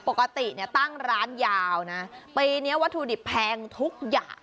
ปกติเนี่ยตั้งร้านยาวนะปีนี้วัตถุดิบแพงทุกอย่าง